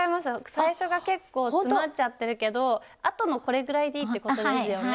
最初が結構詰まっちゃってるけどあとのこれぐらいでいいってことですよね？